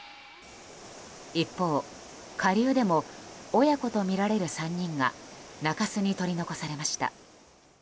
一方、下流でも親子とみられる３人が中州に取り残されました。